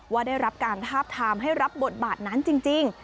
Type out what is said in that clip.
ว่าได้รับการทาบทามให้รับบทบาทนั้นจริง